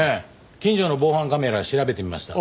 近所の防犯カメラ調べてみました。